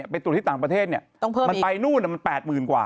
ไปตรงที่ต่างประเทศมันไปนู่นมัน๘หมื่นกว่า